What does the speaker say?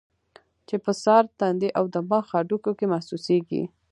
چې پۀ سر ، تندي او د مخ پۀ هډوکو کې محسوسيږي